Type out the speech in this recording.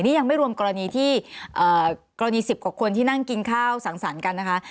นี่ยังไม่รวมกรณีที่กรณี๑๐กว่าคนที่นั่งกินข้าวสังสรรค์กันนะคะ